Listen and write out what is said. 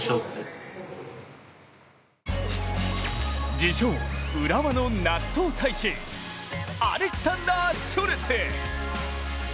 自称・浦和の納豆大使アレクサンダー・ショルツ。